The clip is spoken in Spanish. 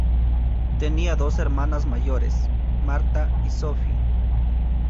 Tenía dos hermanas mayores, Martha y Sophie.